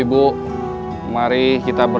lu udah ikut asli